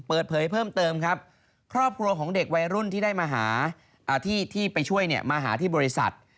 เปิดเผยเพิ่มเติมครับครอบครัวของเด็กวัยรุ่นที่ได้มาหาที่ไปช่วยเนี่ยมาหาที่บริษัท